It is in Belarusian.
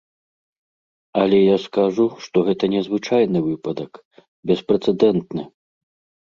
Але я скажу, што гэта незвычайны выпадак, беспрэцэдэнтны!